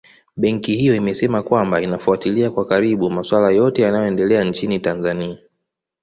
Benki hiyo imesema kwamba inafuatilia kwa karibu maswala yote yanayoendelea nchini Tanzania